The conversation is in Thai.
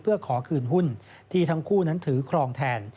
เพื่อขอคืนหุ้นที่ทั้งคู่นั้นถือครองแทน